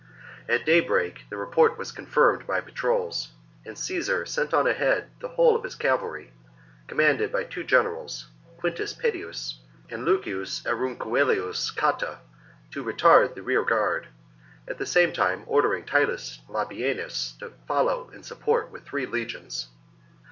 At daybreak the report was confirmed by patrols ; and Caesar sent on ahead the whole of his cavalry, commanded by two generals, Quintus Pedius and Lucius Aurunculeius Cotta, to retard the rear guard, at the same time ordering Titus Labienus to follow in support with three legions..